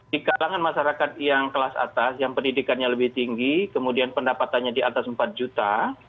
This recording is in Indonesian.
di kalangan masyarakat yang kelas atas yang pendidikannya lebih tinggi kemudian pendapatannya di atas empat juta